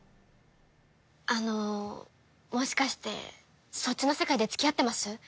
あのもしかしてそっちの世界で付き合ってます？